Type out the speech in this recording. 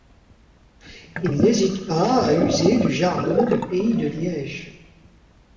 Il n'hésite pas à user du jargon du pays de Liège.